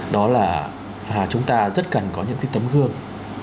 đó là chúng ta rất cần có những cái tập trung